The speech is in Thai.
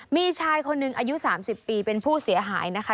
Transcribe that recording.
มีชายคนหนึ่งอายุ๓๐ปีเป็นผู้เสียหายนะคะ